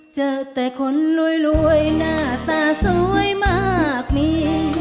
เจอแต่คนรวยหน้าตาสวยมากมี